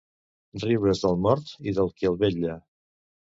Riure's del mort i del qui el vetlla.